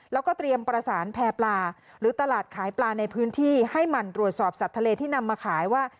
แล้วก็เตรียมประสานแพร่ปลาหรือตลาดขายปลาในพื้นที่ให้หมั่นตรวจสอบสัตว์ทะเลที่นำมาขายว่า